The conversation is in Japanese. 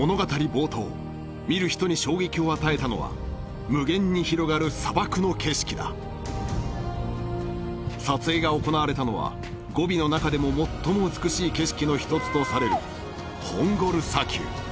冒頭見る人に衝撃を与えたのは無限に広がる砂漠の景色だ撮影が行われたのはゴビの中でも最も美しい景色の一つとされるホンゴル砂丘